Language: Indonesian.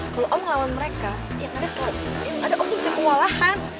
kalau om ngelawan mereka yang ada tuh bisa kewalahan